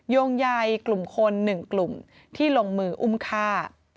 ย่งใหญ่กลุ่มคน๑กลุ่มที่ลงมืออุ้มฆ่า